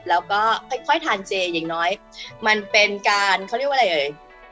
แล้วก็ค่อยทานเจอย่างน้อยมันเป็นการเขาเรียกว่าอะไรเอ่ย